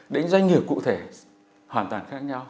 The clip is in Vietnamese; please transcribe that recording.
đến doanh nghiệp cụ thể hoàn toàn khác nhau